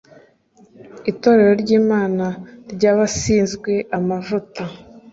itorero ry imana ry abasizwe amavuta